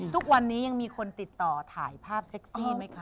ทุกวันนี้ยังมีคนติดต่อถ่ายภาพเซ็กซี่ไหมคะ